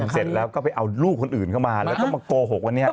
เสร็จแล้วก็ไปเอาลูกคนอื่นเข้ามาแล้วก็มาโกหกวันนี้